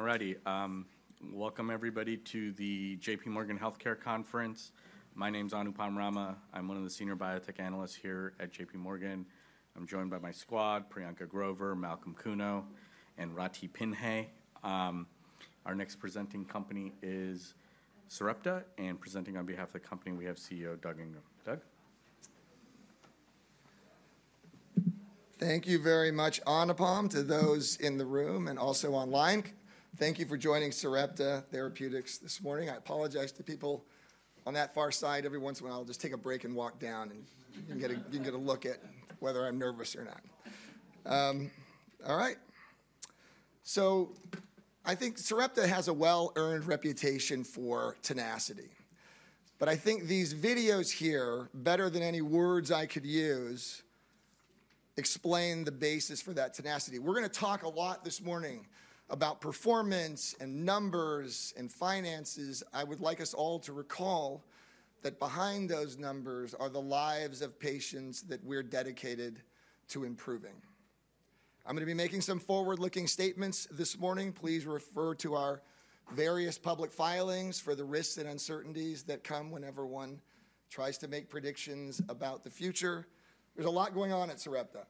Alrighty, welcome everybody to the JPMorgan Healthcare Conference. My name's Anupam Rama. I'm one of the senior biotech analysts here at J.P. Morgan. I'm joined by my squad: Priyanka Grover, Malcolm Kuno, and Rathi Pinheiro. Our next presenting company is Sarepta, and presenting on behalf of the company, we have CEO Doug Ingram. Doug? Thank you very much, Anupam, to those in the room and also online. Thank you for joining Sarepta Therapeutics this morning. I apologize to people on that far side. Every once in a while, I'll just take a break and walk down and you can get a look at whether I'm nervous or not. Alright, so I think Sarepta has a well-earned reputation for tenacity. But I think these videos here, better than any words I could use, explain the basis for that tenacity. We're going to talk a lot this morning about performance and numbers and finances. I would like us all to recall that behind those numbers are the lives of patients that we're dedicated to improving. I'm going to be making some forward-looking statements this morning. Please refer to our various public filings for the risks and uncertainties that come whenever one tries to make predictions about the future. There's a lot going on at Sarepta,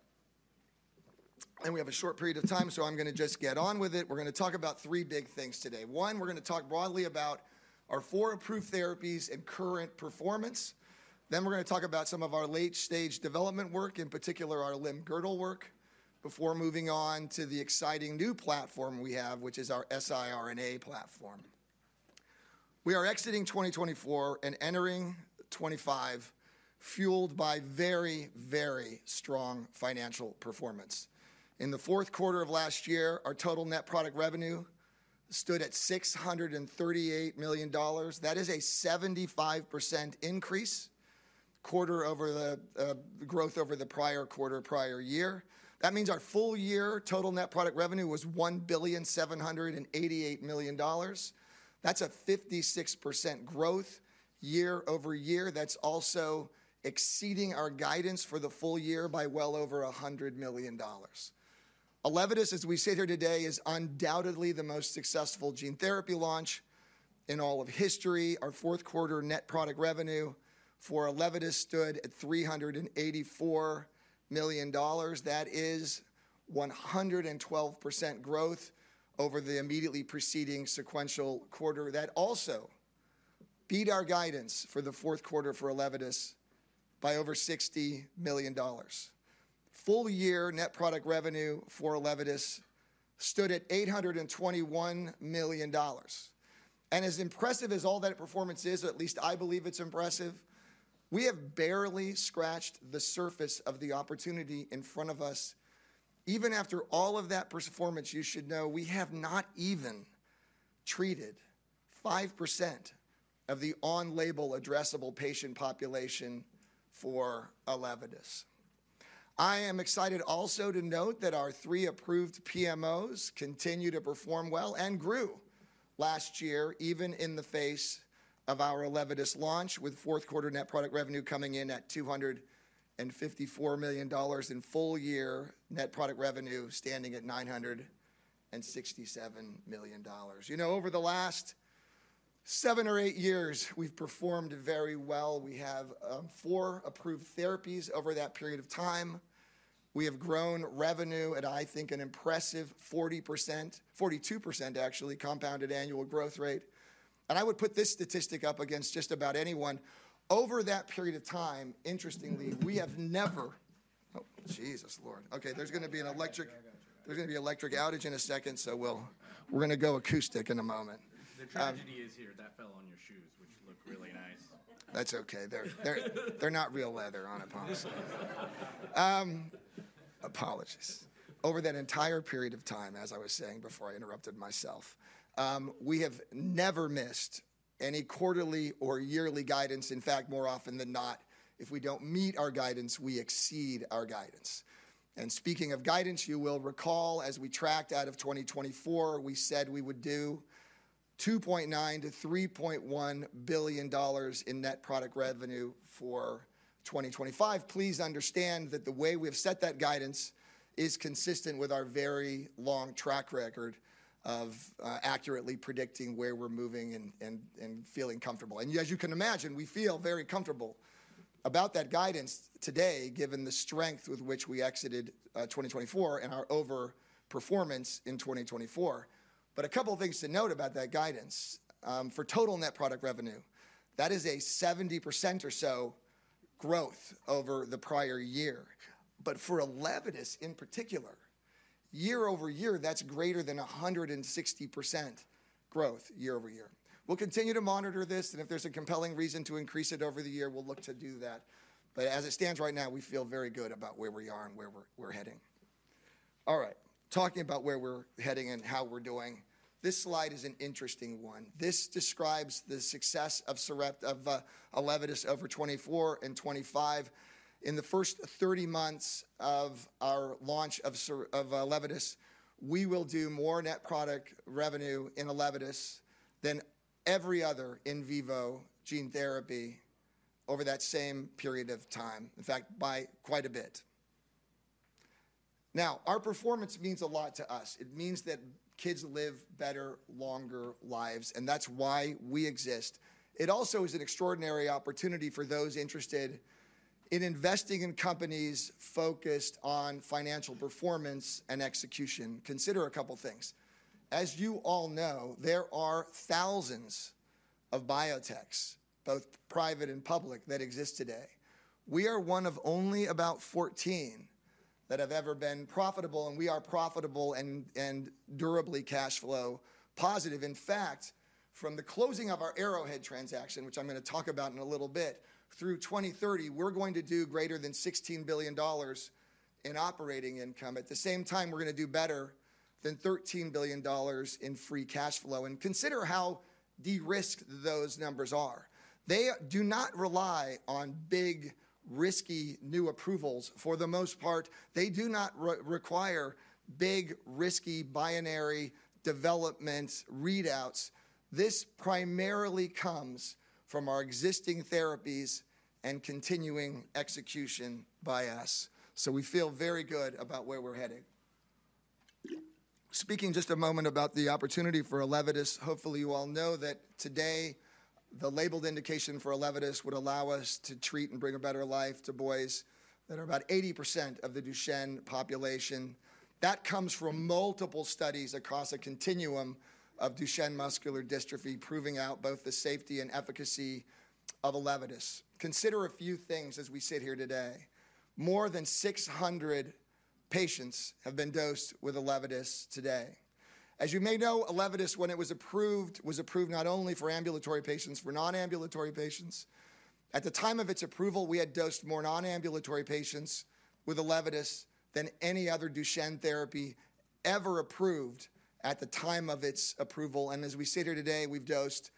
and we have a short period of time, so I'm going to just get on with it. We're going to talk about three big things today. One, we're going to talk broadly about our four approved therapies and current performance, then we're going to talk about some of our late-stage development work, in particular our limb-girdle work, before moving on to the exciting new platform we have, which is our siRNA platform. We are exiting 2024 and entering 2025 fueled by very, very strong financial performance. In the fourth quarter of last year, our total net product revenue stood at $638 million. That is a 75% increase quarter-over-quarter growth over the prior year. That means our full-year total net product revenue was $1,788 million. That's a 56% growth year-over-year. That's also exceeding our guidance for the full year by well over $100 million. Elevidys, as we sit here today, is undoubtedly the most successful gene therapy launch in all of history. Our fourth quarter net product revenue for Elevidys stood at $384 million. That is 112% growth over the immediately preceding sequential quarter. That also beat our guidance for the fourth quarter for Elevidys by over $60 million. Full-year net product revenue for Elevidys stood at $821 million, and as impressive as all that performance is, at least I believe it's impressive, we have barely scratched the surface of the opportunity in front of us. Even after all of that performance, you should know we have not even treated 5% of the on-label addressable patient population for Elevidys. I am excited also to note that our three approved PMOs continue to perform well and grew last year, even in the face of our Elevidys launch, with fourth quarter net product revenue coming in at $254 million and full-year net product revenue standing at $967 million. You know, over the last seven or eight years, we've performed very well. We have four approved therapies over that period of time. We have grown revenue at, I think, an impressive 42%, actually, compounded annual growth rate and I would put this statistic up against just about anyone. Over that period of time, interestingly, we have never. Oh, Jesus Lord. Okay, there's going to be an electric outage in a second, so we're going to go acoustic in a moment. The tragedy is here that fell on your shoes, which looked really nice. That's okay. They're not real leather, Anupam. Apologies. Over that entire period of time, as I was saying before I interrupted myself, we have never missed any quarterly or yearly guidance. In fact, more often than not, if we don't meet our guidance, we exceed our guidance. And speaking of guidance, you will recall, as we tracked out of 2024, we said we would do $2.9-$3.1 billion in net product revenue for 2025. Please understand that the way we have set that guidance is consistent with our very long track record of accurately predicting where we're moving and feeling comfortable. And as you can imagine, we feel very comfortable about that guidance today, given the strength with which we exited 2024 and our over-performance in 2024. But a couple of things to note about that guidance. For total net product revenue, that is a 70% or so growth over the prior year. But for Elevidys in particular, year-over-year, that's greater than 160% growth year-over-year. We'll continue to monitor this, and if there's a compelling reason to increase it over the year, we'll look to do that. But as it stands right now, we feel very good about where we are and where we're heading. Alright, talking about where we're heading and how we're doing, this slide is an interesting one. This describes the success of Elevidys over 2024 and 2025. In the first 30 months of our launch of Elevidys, we will do more net product revenue in Elevidys than every other in vivo gene therapy over that same period of time, in fact, by quite a bit. Now, our performance means a lot to us. It means that kids live better, longer lives, and that's why we exist. It also is an extraordinary opportunity for those interested in investing in companies focused on financial performance and execution. Consider a couple of things. As you all know, there are thousands of biotechs, both private and public, that exist today. We are one of only about 14 that have ever been profitable, and we are profitable and durably cash flow positive. In fact, from the closing of our Arrowhead transaction, which I'm going to talk about in a little bit, through 2030, we're going to do greater than $16 billion in operating income. At the same time, we're going to do better than $13 billion in free cash flow. And consider how de-risked those numbers are. They do not rely on big, risky new approvals for the most part. They do not require big, risky binary development readouts. This primarily comes from our existing therapies and continuing execution by us. So we feel very good about where we're heading. Speaking just a moment about the opportunity for Elevidys, hopefully you all know that today the labeled indication for Elevidys would allow us to treat and bring a better life to boys that are about 80% of the Duchenne population. That comes from multiple studies across a continuum of Duchenne muscular dystrophy, proving out both the safety and efficacy of Elevidys. Consider a few things as we sit here today. More than 600 patients have been dosed with Elevidys today. As you may know, Elevidys, when it was approved, was approved not only for ambulatory patients, for non-ambulatory patients. At the time of its approval, we had dosed more non-ambulatory patients with Elevidys than any other Duchenne therapy ever approved at the time of its approval, and as we sit here today, we've dosed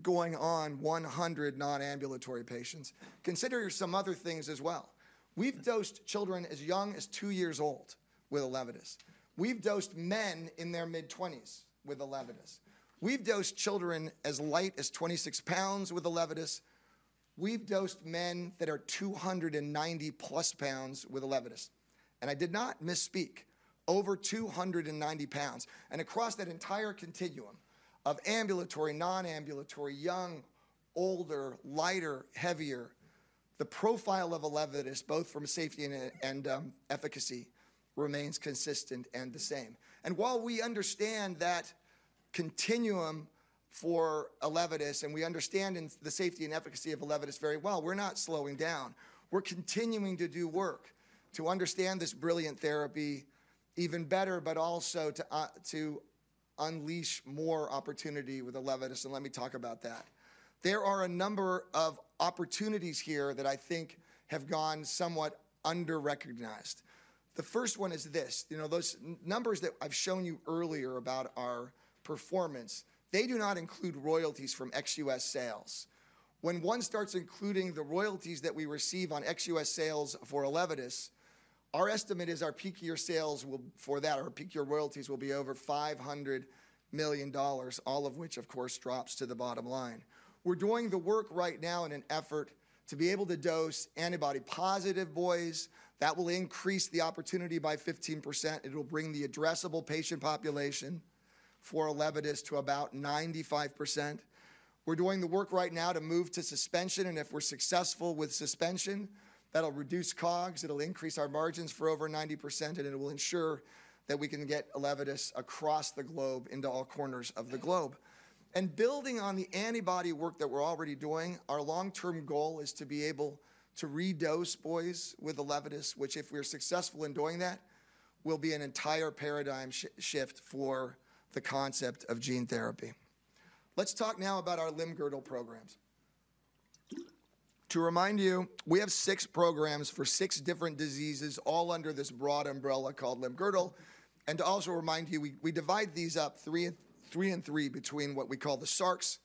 going on 100 non-ambulatory patients. Consider some other things as well. We've dosed children as young as two years old with Elevidys. We've dosed men in their mid-20s with Elevidys. We've dosed children as light as 26 pounds with Elevidys. We've dosed men that are 290 plus pounds with Elevidys, and I did not misspeak, over 290 pounds, and across that entire continuum of ambulatory, non-ambulatory, young, older, lighter, heavier, the profile of Elevidys, both from safety and efficacy, remains consistent and the same. And while we understand that continuum for Elevidys, and we understand the safety and efficacy of Elevidys very well, we're not slowing down. We're continuing to do work to understand this brilliant therapy even better, but also to unleash more opportunity with Elevidys, and let me talk about that. There are a number of opportunities here that I think have gone somewhat under-recognized. The first one is this. You know, those numbers that I've shown you earlier about our performance, they do not include royalties from ex-U.S.sales. When one starts including the royalties that we receive on ex-U.S. sales for Elevidys, our estimate is our peak year sales for that, our peak year royalties will be over $500 million, all of which, of course, drops to the bottom line. We're doing the work right now in an effort to be able to dose antibody-positive boys. That will increase the opportunity by 15%. It'll bring the addressable patient population for Elevidys to about 95%. We're doing the work right now to move to suspension, and if we're successful with suspension, that'll reduce COGS. It'll increase our margins for over 90%, and it will ensure that we can get Elevidys across the globe, into all corners of the globe, and building on the antibody work that we're already doing, our long-term goal is to be able to redose boys with Elevidys, which, if we're successful in doing that, will be an entire paradigm shift for the concept of gene therapy. Let's talk now about our limb girdle programs. To remind you, we have six programs for six different diseases, all under this broad umbrella called limb girdle, and to also remind you, we divide these up three and three between what we call the Sarcs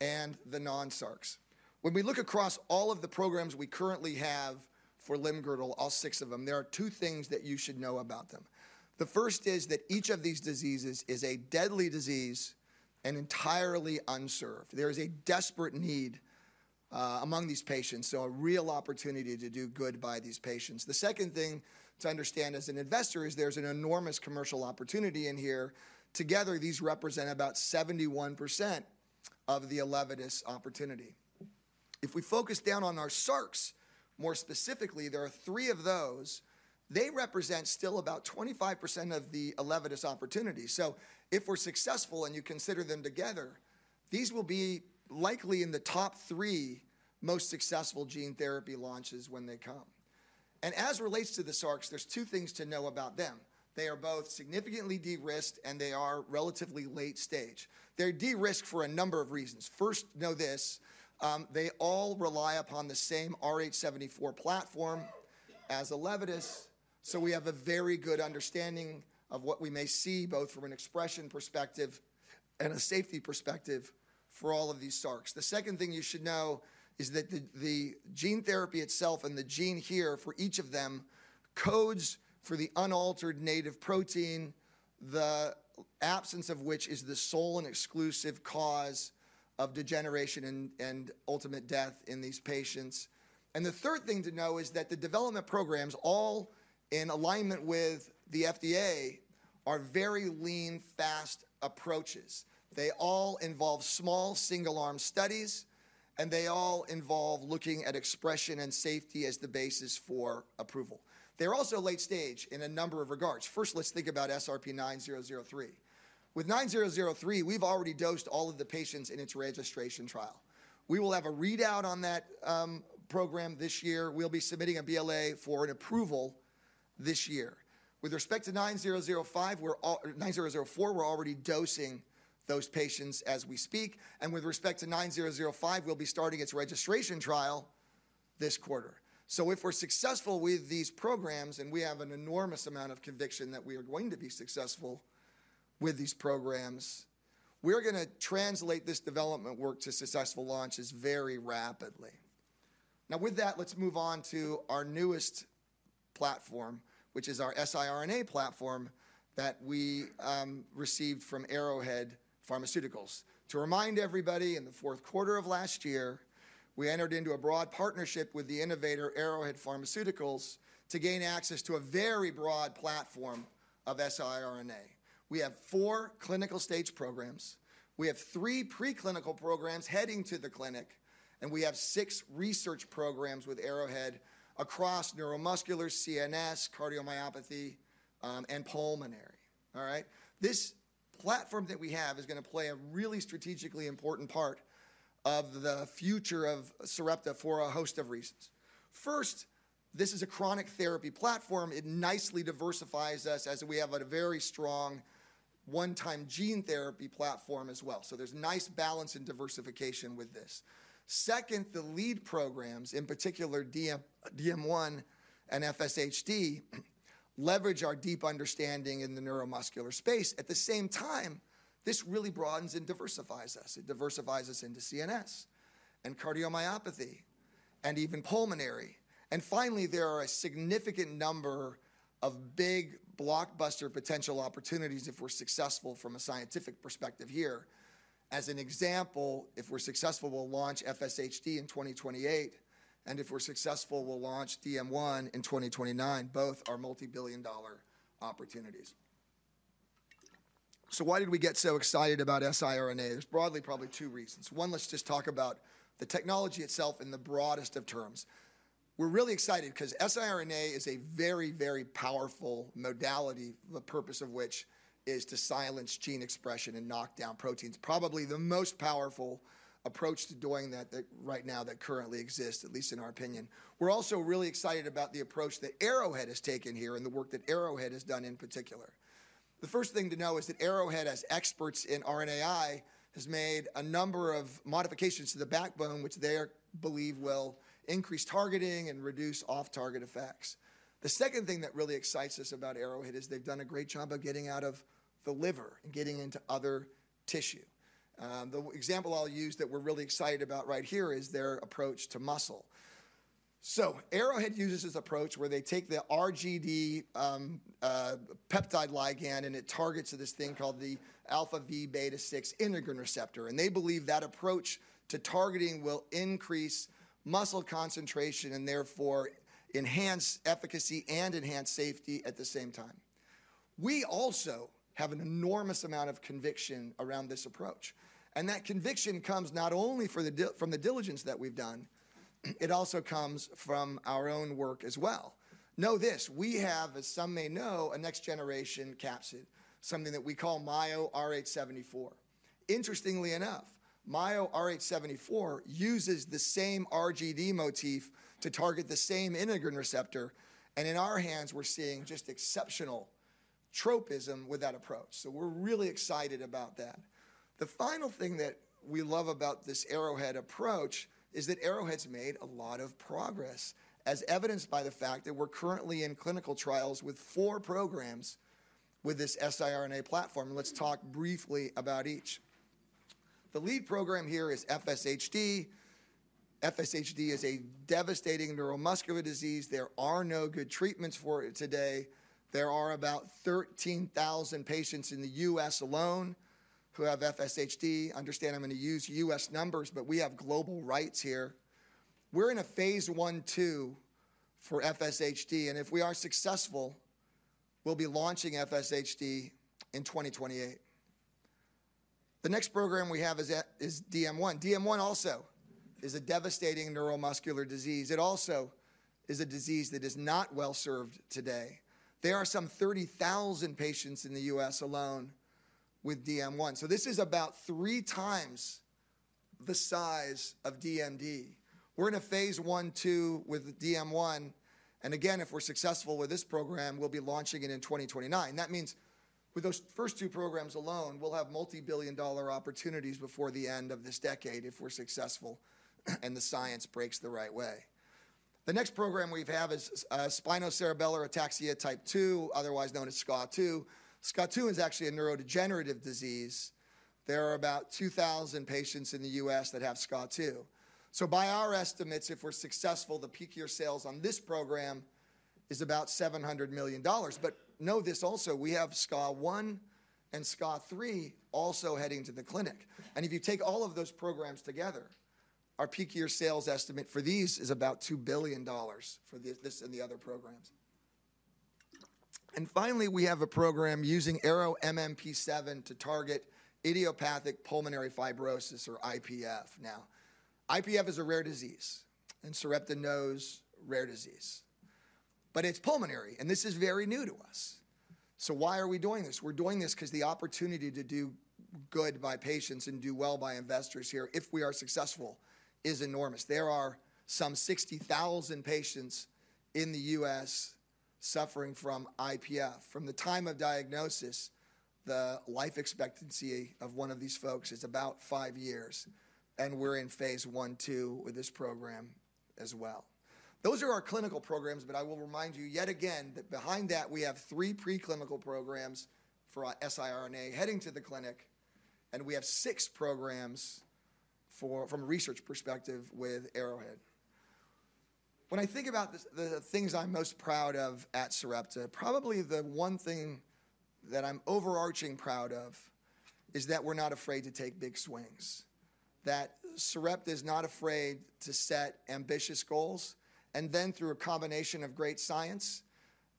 and the non-Sarcs. When we look across all of the programs we currently have for limb-girdle, all six of them, there are two things that you should know about them. The first is that each of these diseases is a deadly disease and entirely unserved. There is a desperate need among these patients, so a real opportunity to do good by these patients. The second thing to understand as an investor is there's an enormous commercial opportunity in here. Together, these represent about 71% of the Elevidys opportunity. If we focus down on our Sarcs, more specifically, there are three of those. They represent still about 25% of the Elevidys opportunity. So if we're successful and you consider them together, these will be likely in the top three most successful gene therapy launches when they come. And as it relates to the Sarcs, there's two things to know about them. They are both significantly de-risked, and they are relatively late stage. They're de-risked for a number of reasons. First, know this. They all rely upon the same AAVrh74 platform as Elevidys, so we have a very good understanding of what we may see, both from an expression perspective and a safety perspective for all of these Sarcs. The second thing you should know is that the gene therapy itself and the gene here for each of them codes for the unaltered native protein, the absence of which is the sole and exclusive cause of degeneration and ultimate death in these patients. And the third thing to know is that the development programs, all in alignment with the FDA, are very lean, fast approaches. They all involve small single-arm studies, and they all involve looking at expression and safety as the basis for approval. They're also late stage in a number of regards. First, let's think about SRP 9003. With 9003, we've already dosed all of the patients in its registration trial. We will have a readout on that program this year. We'll be submitting a BLA for an approval this year. With respect to 9004, we're already dosing those patients as we speak. And with respect to 9005, we'll be starting its registration trial this quarter. So if we're successful with these programs, and we have an enormous amount of conviction that we are going to be successful with these programs, we're going to translate this development work to successful launches very rapidly. Now, with that, let's move on to our newest platform, which is our siRNA platform that we received from Arrowhead Pharmaceuticals. To remind everybody, in the fourth quarter of last year, we entered into a broad partnership with the innovator Arrowhead Pharmaceuticals to gain access to a very broad platform of siRNA. We have four clinical stage programs. We have three preclinical programs heading to the clinic, and we have six research programs with Arrowhead across neuromuscular, CNS, cardiomyopathy, and pulmonary. Alright? This platform that we have is going to play a really strategically important part of the future of Sarepta for a host of reasons. First, this is a chronic therapy platform. It nicely diversifies us as we have a very strong one-time gene therapy platform as well. So there's nice balance and diversification with this. Second, the lead programs, in particular DM1 and FSHD, leverage our deep understanding in the neuromuscular space. At the same time, this really broadens and diversifies us. It diversifies us into CNS, cardiomyopathy, and even pulmonary. And finally, there are a significant number of big blockbuster potential opportunities if we're successful from a scientific perspective here. As an example, if we're successful, we'll launch FSHD in 2028. And if we're successful, we'll launch DM1 in 2029, both our multi-billion-dollar opportunities. So why did we get so excited about siRNA? There's broadly probably two reasons. One, let's just talk about the technology itself in the broadest of terms. We're really excited because siRNA is a very, very powerful modality, the purpose of which is to silence gene expression and knock down proteins. Probably the most powerful approach to doing that right now that currently exists, at least in our opinion. We're also really excited about the approach that Arrowhead has taken here and the work that Arrowhead has done in particular. The first thing to know is that Arrowhead, as experts in RNAi, has made a number of modifications to the backbone, which they believe will increase targeting and reduce off-target effects. The second thing that really excites us about Arrowhead is they've done a great job of getting out of the liver and getting into other tissue. The example I'll use that we're really excited about right here is their approach to muscle. So Arrowhead uses this approach where they take the RGD peptide ligand, and it targets this thing called the alpha-v beta-6 integrin receptor. And they believe that approach to targeting will increase muscle concentration and therefore enhance efficacy and enhance safety at the same time. We also have an enormous amount of conviction around this approach. And that conviction comes not only from the diligence that we've done, it also comes from our own work as well. Know this. We have, as some may know, a next-generation capsid, something that we call AAVrh74. Interestingly enough, AAVrh74 uses the same RGD motif to target the same integrin receptor. And in our hands, we're seeing just exceptional tropism with that approach. So we're really excited about that. The final thing that we love about this Arrowhead approach is that Arrowhead's made a lot of progress, as evidenced by the fact that we're currently in clinical trials with four programs with this siRNA platform. And let's talk briefly about each. The lead program here is FSHD. FSHD is a devastating neuromuscular disease. There are no good treatments for it today. There are about 13,000 patients in the U.S. alone who have FSHD. Understand, I'm going to use U.S. numbers, but we have global rights here. We're in a phase one, two for FSHD, and if we are successful, we'll be launching FSHD in 2028. The next program we have is DM1. DM1 also is a devastating neuromuscular disease. It also is a disease that is not well served today. There are some 30,000 patients in the U.S. alone with DM1, so this is about three times the size of DMD. We're in a phase one, two with DM1, and again, if we're successful with this program, we'll be launching it in 2029. That means with those first two programs alone, we'll have multi-billion dollar opportunities before the end of this decade if we're successful and the science breaks the right way. The next program we have is spinocerebellar ataxia type two, otherwise known as SCA2. SCA2 is actually a neurodegenerative disease. There are about 2,000 patients in the U.S. that have SCA2, so by our estimates, if we're successful, the peak year sales on this program is about $700 million, but know this also, we have SCA1 and SCA3 also heading to the clinic, and if you take all of those programs together, our peak year sales estimate for these is about $2 billion for this and the other programs, and finally, we have a program using ARO-MMP7 to target idiopathic pulmonary fibrosis, or IPF. Now, IPF is a rare disease in Sarepta, no, rare disease, but it's pulmonary, and this is very new to us, so why are we doing this? We're doing this because the opportunity to do good by patients and do well by investors here, if we are successful, is enormous. There are some 60,000 patients in the U.S. suffering from IPF. From the time of diagnosis, the life expectancy of one of these folks is about five years, and we're in phase 1, 2 with this program as well. Those are our clinical programs, but I will remind you yet again that behind that, we have three preclinical programs for siRNA heading to the clinic, and we have six programs from a research perspective with Arrowhead. When I think about the things I'm most proud of at Sarepta, probably the one thing that I'm overarching proud of is that we're not afraid to take big swings, that Sarepta is not afraid to set ambitious goals, and then through a combination of great science,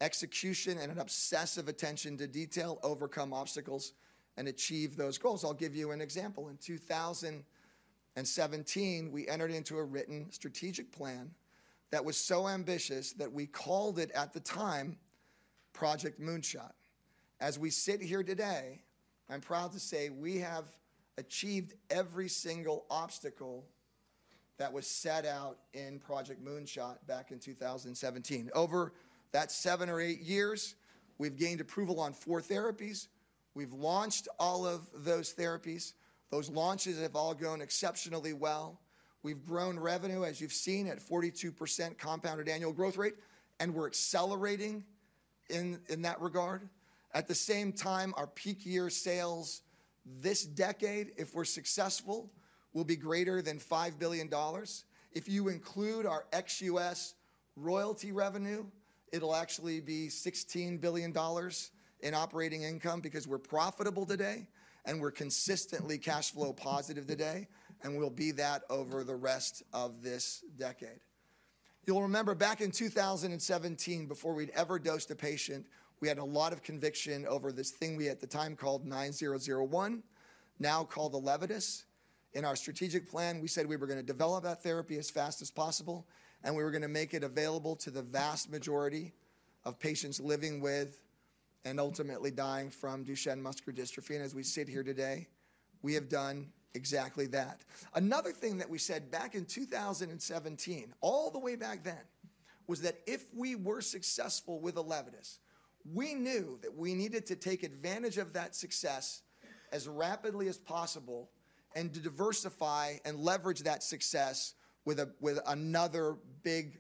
execution, and an obsessive attention to detail, overcome obstacles and achieve those goals. I'll give you an example. In 2017, we entered into a written strategic plan that was so ambitious that we called it at the time, Project Moonshot. As we sit here today, I'm proud to say we have achieved every single obstacle that was set out in Project Moonshot back in 2017. Over that seven or eight years, we've gained approval on four therapies. We've launched all of those therapies. Those launches have all gone exceptionally well. We've grown revenue, as you've seen, at 42% compounded annual growth rate, and we're accelerating in that regard. At the same time, our peak year sales this decade, if we're successful, will be greater than $5 billion. If you include our ex-U.S. royalty revenue, it'll actually be $16 billion in operating income because we're profitable today and we're consistently cash flow positive today, and we'll be that over the rest of this decade. You'll remember back in 2017, before we'd ever dosed a patient, we had a lot of conviction over this thing we at the time called 9001, now called Elevidys. In our strategic plan, we said we were going to develop that therapy as fast as possible, and we were going to make it available to the vast majority of patients living with and ultimately dying from Duchenne muscular dystrophy. And as we sit here today, we have done exactly that. Another thing that we said back in 2017, all the way back then, was that if we were successful with Elevidys, we knew that we needed to take advantage of that success as rapidly as possible and to diversify and leverage that success with another big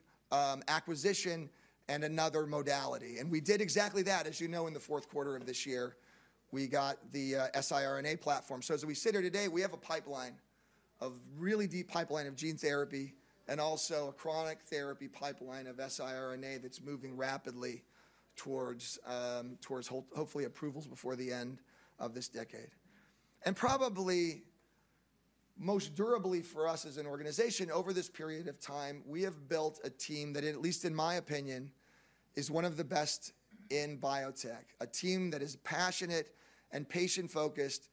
acquisition and another modality. And we did exactly that. As you know, in the fourth quarter of this year, we got the siRNA platform. So as we sit here today, we have a pipeline, a really deep pipeline of gene therapy and also a chronic therapy pipeline of siRNA that's moving rapidly towards hopefully approvals before the end of this decade. And probably most durably for us as an organization over this period of time, we have built a team that, at least in my opinion, is one of the best in biotech. A team that is passionate and patient-focused,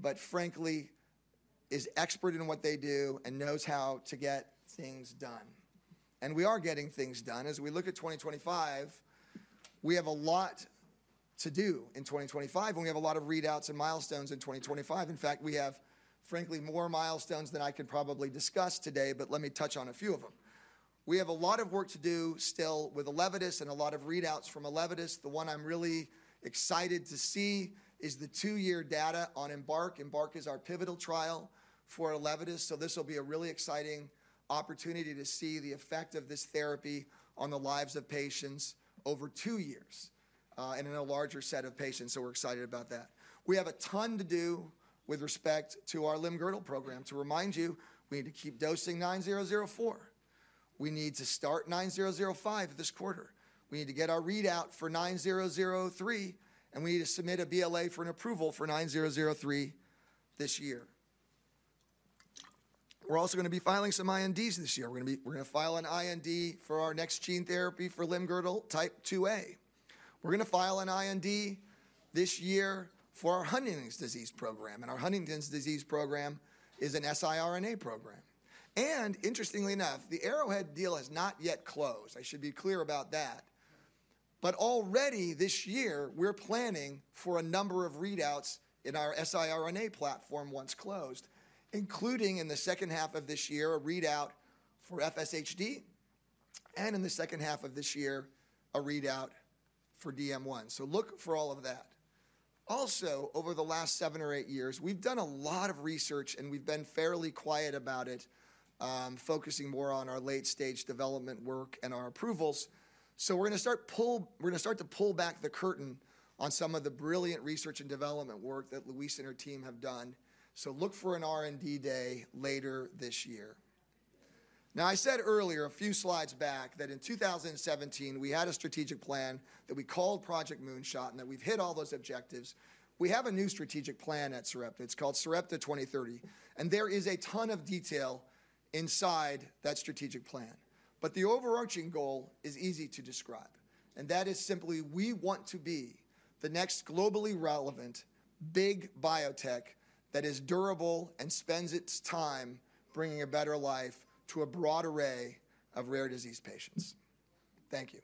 but frankly, is expert in what they do and knows how to get things done. And we are getting things done. As we look at 2025, we have a lot to do in 2025, and we have a lot of readouts and milestones in 2025. In fact, we have, frankly, more milestones than I could probably discuss today, but let me touch on a few of them. We have a lot of work to do still with Elevidys and a lot of readouts from Elevidys. The one I'm really excited to see is the two-year data on EMBARK. EMBARK is our pivotal trial for Elevidys. So this will be a really exciting opportunity to see the effect of this therapy on the lives of patients over two years and in a larger set of patients. So we're excited about that. We have a ton to do with respect to our limb-girdle program. To remind you, we need to keep dosing 9004. We need to start 9005 this quarter. We need to get our readout for 9003, and we need to submit a BLA for an approval for 9003 this year. We're also going to be filing some INDs this year. We're going to file an IND for our next gene therapy for Limb-Girdle type 2A. We're going to file an IND this year for our Huntington's disease program, and our Huntington's disease program is an siRNA program, and interestingly enough, the Arrowhead deal has not yet closed. I should be clear about that, but already this year, we're planning for a number of readouts in our siRNA platform once closed, including in the second half of this year, a readout for FSHD, and in the second half of this year, a readout for DM1. So look for all of that. Also, over the last seven or eight years, we've done a lot of research, and we've been fairly quiet about it, focusing more on our late-stage development work and our approvals. So we're going to start to pull back the curtain on some of the brilliant research and development work that Louise and her team have done. So look for an R&D day later this year. Now, I said earlier, a few slides back, that in 2017, we had a strategic plan that we called Project Moonshot and that we've hit all those objectives. We have a new strategic plan at Sarepta. It's called Sarepta 2030, and there is a ton of detail inside that strategic plan. But the overarching goal is easy to describe, and that is simply, we want to be the next globally relevant big biotech that is durable and spends its time bringing a better life to a broad array of rare disease patients. Thank you.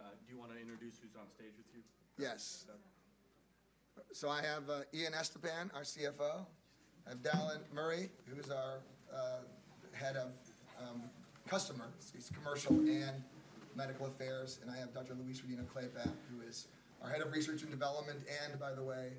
Do you want to introduce who's on stage with you? Yes. So I have Ian Estepan, our CFO. I have Dallan Murray, who's our head of customers, commercial and medical affairs. I have Dr. Louise Rodino-Klapac, who is our head of research and development and, by the way,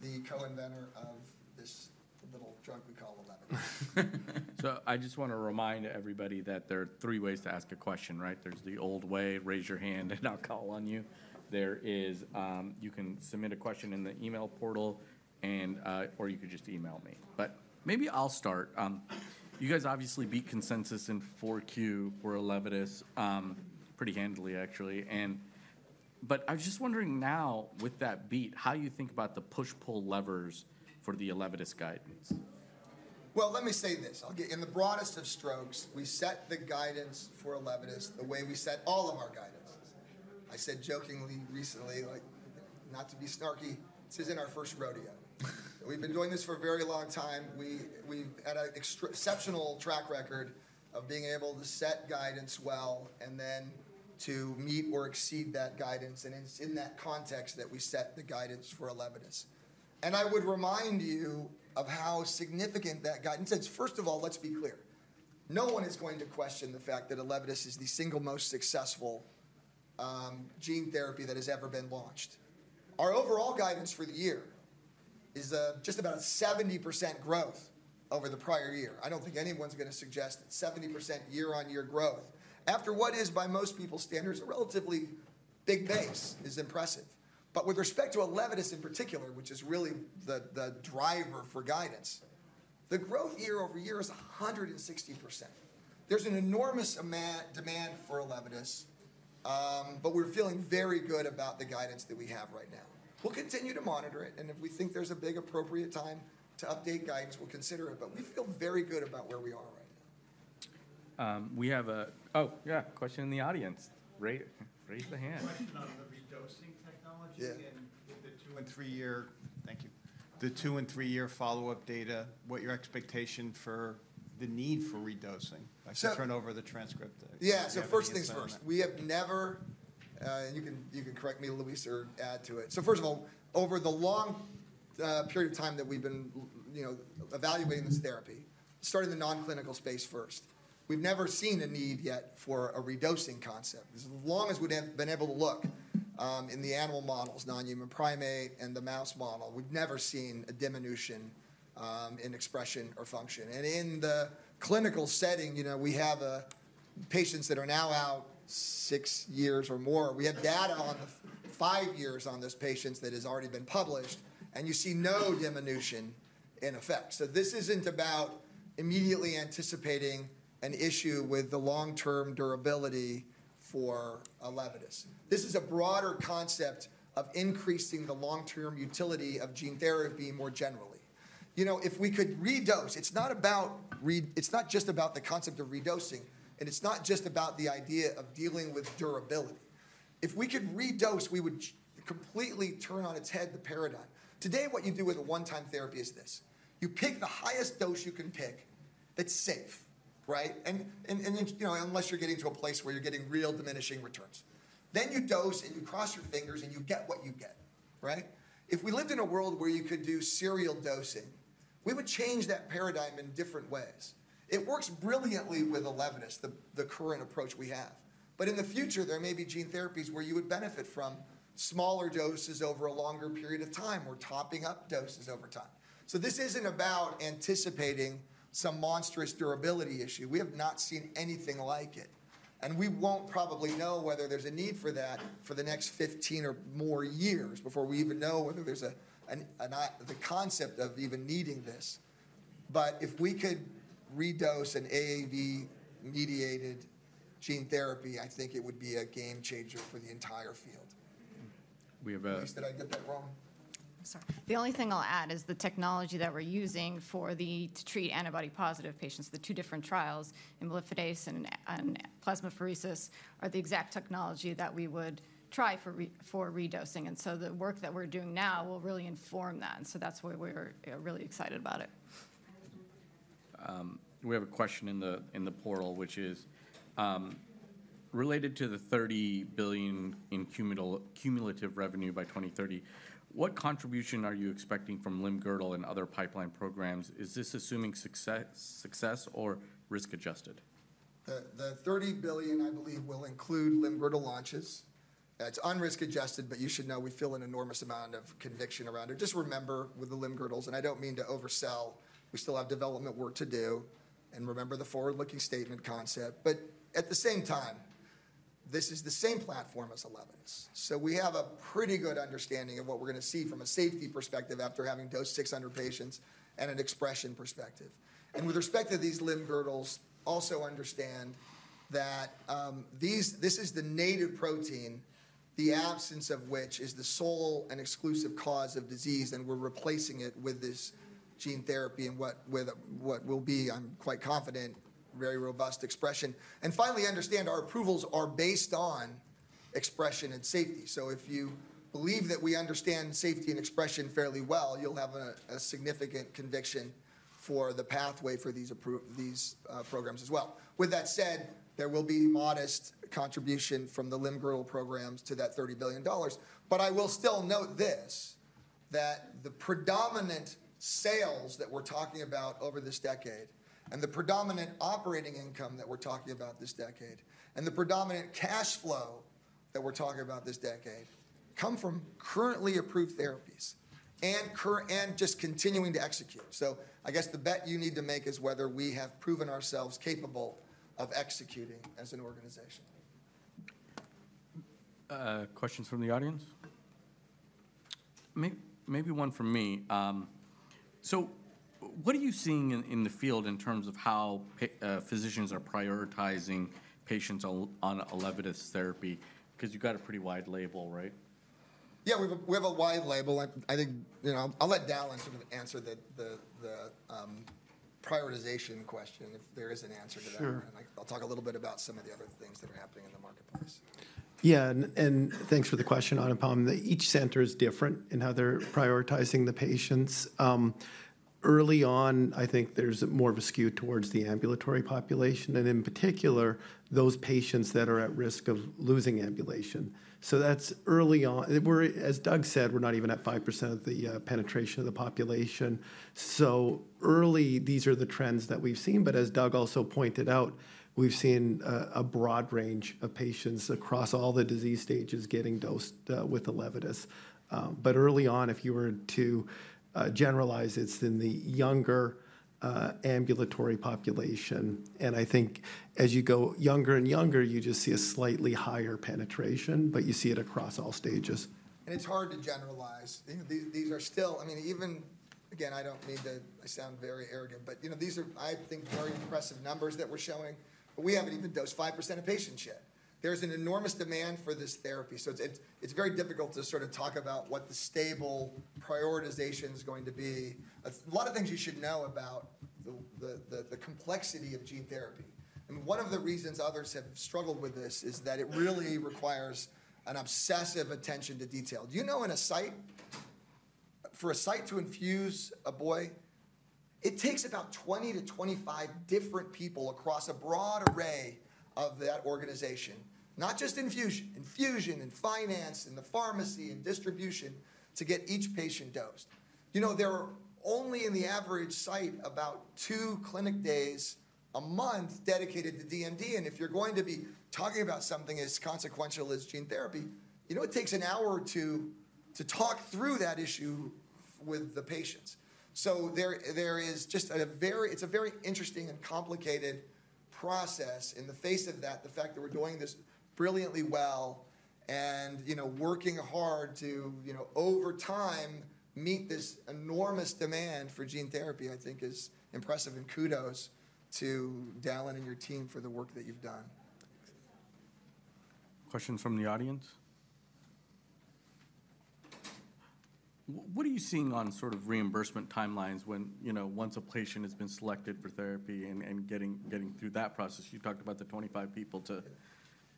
the co-inventor of this little drug we call Elevidys. I just want to remind everybody that there are three ways to ask a question, right? There's the old way, raise your hand and I'll call on you. You can submit a question in the email portal, or you could just email me. Maybe I'll start. You guys obviously beat consensus in 4Q for Elevidys, pretty handily, actually. I was just wondering now, with that beat, how you think about the push-pull levers for the Elevidys guidance. Let me say this. In the broadest of strokes, we set the guidance for Elevidys the way we set all of our guidances. I said jokingly recently, not to be snarky, this isn't our first rodeo. We've been doing this for a very long time. We've had an exceptional track record of being able to set guidance well and then to meet or exceed that guidance, and it's in that context that we set the guidance for Elevidys, and I would remind you of how significant that guidance is. First of all, let's be clear. No one is going to question the fact that Elevidys is the single most successful gene therapy that has ever been launched. Our overall guidance for the year is just about 70% growth over the prior year. I don't think anyone's going to suggest 70% year-on-year growth, after what is, by most people's standards, a relatively big base, is impressive. But with respect to Elevidys in particular, which is really the driver for guidance, the growth year-over-year is 160%. There's an enormous demand for Elevidys, but we're feeling very good about the guidance that we have right now. We'll continue to monitor it. And if we think there's a right appropriate time to update guidance, we'll consider it. But we feel very good about where we are right now. We have, yeah, a question in the audience. Raise your hand. Question on the redosing technology Yeah, the two- and three-year follow-up data, thank you. What's your expectation for the need for redosing? I should turn it over to. Yeah, so first things first. We have never, and you can correct me, Louise, or add to it. So first of all, over the long period of time that we've been evaluating this therapy, starting in the non-clinical space first, we've never seen a need yet for a redosing concept. As long as we've been able to look in the animal models, non-human primate and the mouse model, we've never seen a diminution in expression or function. And in the clinical setting, we have patients that are now out six years or more. We have data on five years on this patient that has already been published, and you see no diminution in effect. So this isn't about immediately anticipating an issue with the long-term durability for Elevidys. This is a broader concept of increasing the long-term utility of gene therapy more generally. If we could redose, it's not just about the concept of redosing, and it's not just about the idea of dealing with durability. If we could redose, we would completely turn on its head the paradigm. Today, what you do with a one-time therapy is this. You pick the highest dose you can pick that's safe, right? And unless you're getting to a place where you're getting real diminishing returns, then you dose and you cross your fingers and you get what you get, right? If we lived in a world where you could do serial dosing, we would change that paradigm in different ways. It works brilliantly with Elevidys, the current approach we have, but in the future, there may be gene therapies where you would benefit from smaller doses over a longer period of time or topping up doses over time, so this isn't about anticipating some monstrous durability issue. We have not seen anything like it. We won't probably know whether there's a need for that for the next 15 or more years before we even know whether there's the concept of even needing this. But if we could redose an AAV-mediated gene therapy, I think it would be a game changer for the entire field. At least did I get that wrong? I'm sorry. The only thing I'll add is the technology that we're using to treat antibody-positive patients, the two different trials, imlifidase and plasmapheresis, are the exact technology that we would try for redosing. And so the work that we're doing now will really inform that. And so that's why we're really excited about it. We have a question in the portal, which is related to the $30 billion in cumulative revenue by 2030. What contribution are you expecting from limb-girdle and other pipeline programs? Is this assuming success or risk-adjusted? The $30 billion, I believe, will include limb-girdle launches. It's un-risk-adjusted, but you should know we feel an enormous amount of conviction around it. Just remember with the limb-girdles, and I don't mean to oversell, we still have development work to do. And remember the forward-looking statement concept. But at the same time, this is the same platform as Elevidys. So we have a pretty good understanding of what we're going to see from a safety perspective after having dosed 600 patients and an expression perspective. And with respect to these limb-girdles, also understand that this is the native protein, the absence of which is the sole and exclusive cause of disease, and we're replacing it with this gene therapy and what will be, I'm quite confident, very robust expression. And finally, understand our approvals are based on expression and safety. So if you believe that we understand safety and expression fairly well, you'll have a significant conviction for the pathway for these programs as well. With that said, there will be modest contribution from the Limb-Girdle programs to that $30 billion. But I will still note this, that the predominant sales that we're talking about over this decade and the predominant operating income that we're talking about this decade and the predominant cash flow that we're talking about this decade come from currently approved therapies and just continuing to execute. So I guess the bet you need to make is whether we have proven ourselves capable of executing as an organization. Questions from the audience? Maybe one from me. So what are you seeing in the field in terms of how physicians are prioritizing patients on a Elevidys therapy? Because you've got a pretty wide label, right? Yeah, we have a wide label. I think I'll let Dallan sort of answer the prioritization question if there is an answer to that, and I'll talk a little bit about some of the other things that are happening in the marketplace. Yeah, and thanks for the question, Anupam. Each center is different in how they're prioritizing the patients. Early on, I think there's more of a skew towards the ambulatory population and, in particular, those patients that are at risk of losing ambulation, so that's early on. As Doug said, we're not even at 5% of the penetration of the population, so early, these are the trends that we've seen, but as Doug also pointed out, we've seen a broad range of patients across all the disease stages getting dosed with Elevidys, but early on, if you were to generalize, it's in the younger ambulatory population. I think as you go younger and younger, you just see a slightly higher penetration, but you see it across all stages. It's hard to generalize. These are still, I mean, even, again, I don't mean to sound very arrogant, but these are, I think, very impressive numbers that we're showing. But we haven't even dosed 5% of patients yet. There's an enormous demand for this therapy. So it's very difficult to sort of talk about what the stable prioritization is going to be. A lot of things you should know about the complexity of gene therapy. One of the reasons others have struggled with this is that it really requires an obsessive attention to detail. Do you know in a site, for a site to infuse a boy, it takes about 20 to 25 different people across a broad array of that organization, not just infusion, infusion and finance and the pharmacy and distribution to get each patient dosed. There are only, in the average site, about two clinic days a month dedicated to DMD. And if you're going to be talking about something as consequential as gene therapy, it takes an hour or two to talk through that issue with the patients. So there is just a very, it's a very interesting and complicated process. In the face of that, the fact that we're doing this brilliantly well and working hard to, over time, meet this enormous demand for gene therapy, I think is impressive. And kudos to Dallan and your team for the work that you've done. Questions from the audience? What are you seeing on sort of reimbursement timelines once a patient has been selected for therapy and getting through that process? You talked about the 25 people too.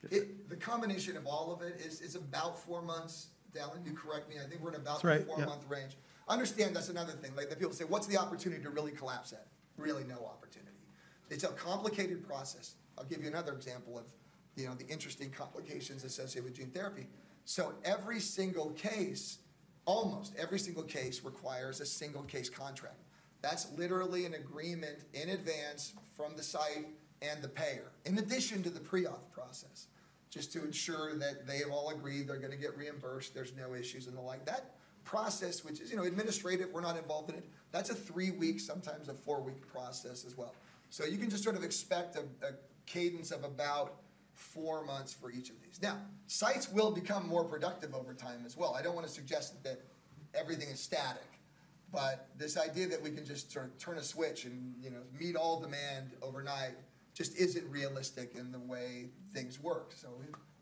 The combination of all of it is about four months. Dallan, you correct me. I think we're in about the four-month range. I understand that's another thing. People say, "What's the opportunity to really collapse that?" Really no opportunity. It's a complicated process. I'll give you another example of the interesting complications associated with gene therapy, so every single case, almost every single case, requires a single case contract. That's literally an agreement in advance from the site and the payer, in addition to the pre-auth process, just to ensure that they have all agreed they're going to get reimbursed, there's no issues, and the like. That process, which is administrative, we're not involved in it. That's a three-week, sometimes a four-week process as well, so you can just sort of expect a cadence of about four months for each of these. Now, sites will become more productive over time as well. I don't want to suggest that everything is static, but this idea that we can just sort of turn a switch and meet all demand overnight just isn't realistic in the way things work, so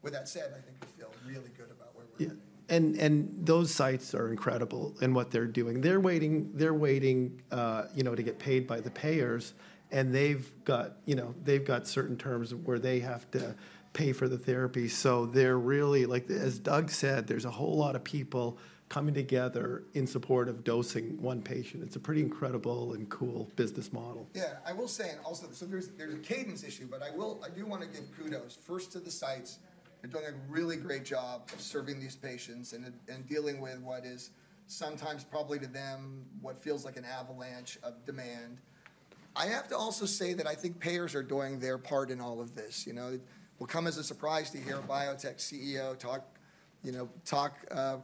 with that said, I think we feel really good about where we're headed, and those sites are incredible in what they're doing. They're waiting to get paid by the payers, and they've got certain terms where they have to pay for the therapy, so they're really, as Doug said. There's a whole lot of people coming together in support of dosing one patient. It's a pretty incredible and cool business model. Yeah, I will say, and also, so there's a cadence issue, but I do want to give kudos first to the sites that are doing a really great job of serving these patients and dealing with what is sometimes probably to them what feels like an avalanche of demand. I have to also say that I think payers are doing their part in all of this. It will come as a surprise to hear a biotech CEO talk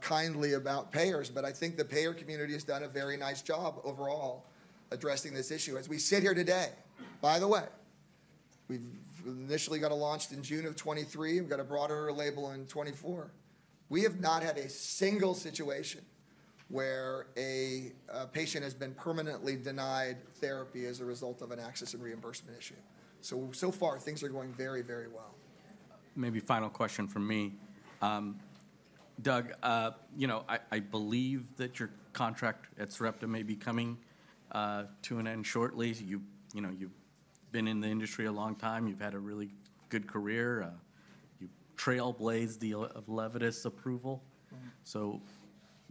kindly about payers, but I think the payer community has done a very nice job overall addressing this issue as we sit here today. By the way, we initially got it launched in June of 2023. We got a broader label in 2024. We have not had a single situation where a patient has been permanently denied therapy as a result of an access and reimbursement issue. So, so far, things are going very, very well. Maybe final question from me. Doug, I believe that your contract at Sarepta may be coming to an end shortly. You've been in the industry a long time. You've had a really good career. You trailblazed the Elevidys approval. So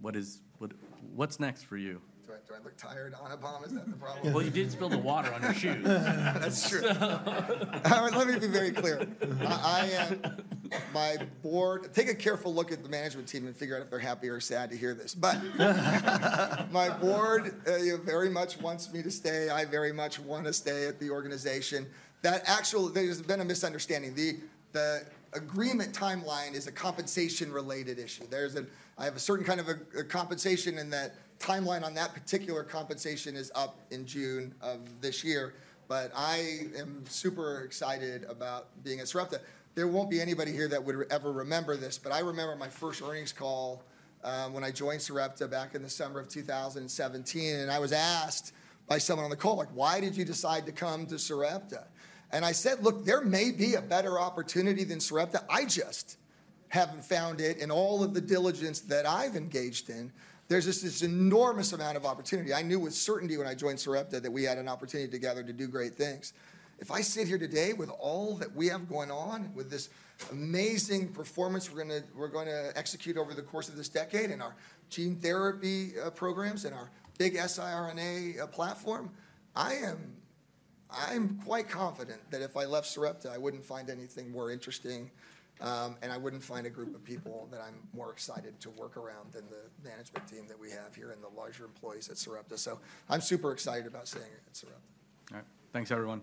what's next for you? Do I look tired, Anupam? Is that the problem? Well, you did spill the water on your shoes. That's true. All right, let me be very clear. My board, take a careful look at the management team and figure out if they're happy or sad to hear this. But my board very much wants me to stay. I very much want to stay at the organization. There's been a misunderstanding. The agreement timeline is a compensation-related issue. I have a certain kind of compensation in that timeline on that particular compensation is up in June of this year. But I am super excited about being at Sarepta. There won't be anybody here that would ever remember this, but I remember my first earnings call when I joined Sarepta back in the summer of 2017, and I was asked by someone on the call, "Why did you decide to come to Sarepta?" And I said, "Look, there may be a better opportunity than Sarepta. I just haven't found it. In all of the diligence that I've engaged in, there's just this enormous amount of opportunity. I knew with certainty when I joined Sarepta that we had an opportunity together to do great things. If I sit here today with all that we have going on, with this amazing performance we're going to execute over the course of this decade in our gene therapy programs and our big siRNA platform, I am quite confident that if I left Sarepta, I wouldn't find anything more interesting and I wouldn't find a group of people that I'm more excited to work around than the management team that we have here and the larger employees at Sarepta. So I'm super excited about staying at Sarepta. All right. Thanks, everyone.